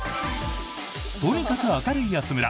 とにかく明るい安村